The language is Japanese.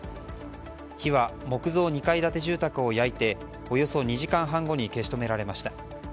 火は木造２階建て住宅を焼いておよそ２時間半後に消し止められました。